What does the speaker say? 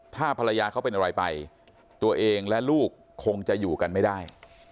ถ้าภรรยาเขาเป็นอะไรไปตัวเองและลูกคงจะอยู่กันไม่ได้